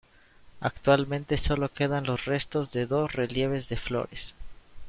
Actualmente solo quedan los restos de dos relieves de flores.